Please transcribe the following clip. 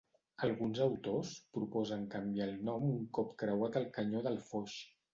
Alguns autors proposen canviar el nom un cop creuat el Canyó del Foix.